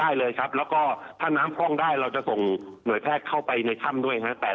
ได้เลยครับแล้วก็ถ้าน้ำพร่องได้เราจะส่งหน่วยแพทย์เข้าไปในถ้ำด้วยฮะ